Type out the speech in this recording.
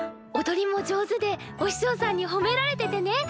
おどりも上手でお師匠さんにほめられててね！